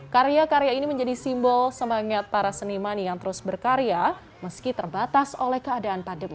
karya karya ini menjadi simbol semangat para seniman yang terus berkarya meski terbatas oleh keadaan pandemi